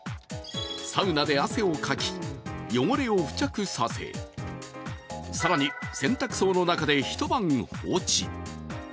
サウナで汗をかき汚れを付着させ更に洗濯槽の中で一晩放置。